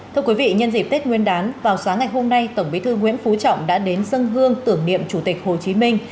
thưa quý vị nhân dịp tết nguyên đán vào sáng ngày hôm nay tổng bí thư nguyễn phú trọng đã đến dân hương tưởng niệm chủ tịch hồ chí minh